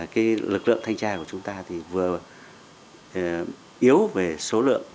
cái lực lượng thanh tra của chúng ta thì vừa yếu về số lượng